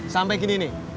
sampai gini nih